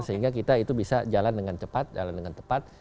sehingga kita itu bisa jalan dengan cepat jalan dengan tepat